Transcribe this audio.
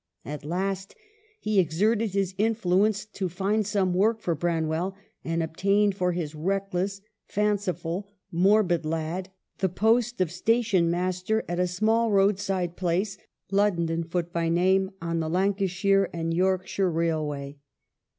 At last he exerted his influence to find some work for Branwell, and obtained for his reckless, fanciful, morbid lad the post of station master at a small roadside place, Luddendenfoot by name, on the Lanca 124 EMILY BRONTE. shire and Yorkshire Railway.